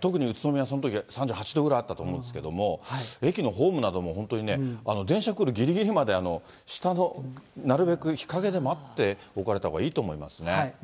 特に宇都宮、そのとき３８度ぐらいあったと思うんでしょうけれども、駅のホームなども本当にね、電車くるぎりぎりまで、下のなるべく日陰で待っておかれたほうがいいと思いますね。